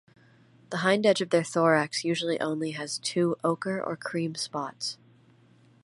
The hind edge of their thorax usually only has two ochre or cream spots.